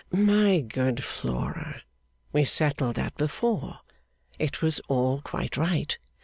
'My good Flora, we settled that before. It was all quite right.